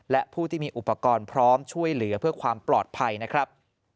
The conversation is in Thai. และผู้ที่มีอุปกรณ์พร้อมช่วยเหลือเพื่อความปลอดภัยนะครับ